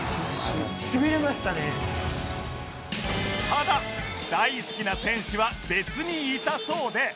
ただ大好きな選手は別にいたそうで